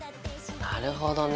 なるほどね。